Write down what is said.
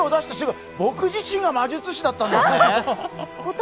僕自身が魔術師だったんですね。